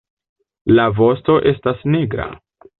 La vosto estas nigra.